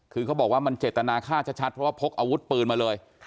คือเขาบอกว่ามันเจตนาฆ่าชัดเพราะว่าพกอาวุธปืนมาเลย